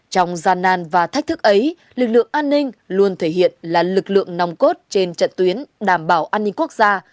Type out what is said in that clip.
trong gian nan và thách thức ấy lực lượng an ninh luôn thể hiện là lực lượng nòng cốt trên trận tuyến đảm bảo an ninh quốc gia